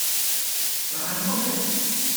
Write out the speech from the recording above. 哪來的照片？